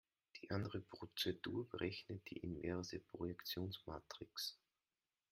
Die andere Prozedur berechnet die inverse Projektionsmatrix.